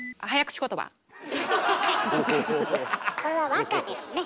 これは和歌ですね。